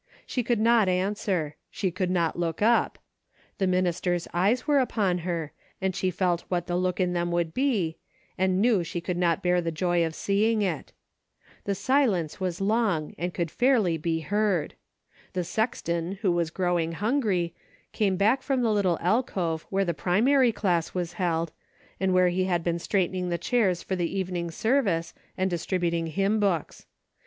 She could not an swer. She could not look up. The minister's eyes were upon her, and she felt what the look in them would be, and knew she could not bear the joy of seeing it. The silence was long and could fairly be heard. The sexton who was growing hungry, came back from the little alcove where the primary class was held and where he had been straightening the chairs for the evening service and distributing hymn books.